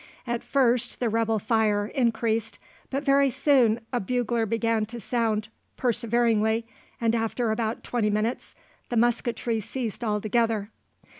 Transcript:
At first the rebel fire increased, but very soon a bugler began to sound perseveringly, and after about twenty minutes the musketry ceased altogether.